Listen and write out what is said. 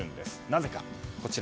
なぜか。